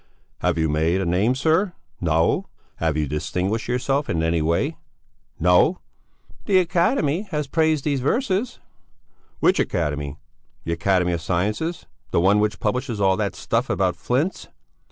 "Have you made a name, sir? No! Have you distinguished yourself in any way? No!" "The Academy has praised these verses." "Which Academy? The Academy of Sciences? The one which publishes all that stuff about flints?"